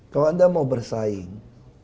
kalau anda mau bersaing